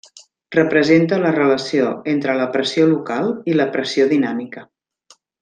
Representa la relació entre la pressió local i la pressió dinàmica.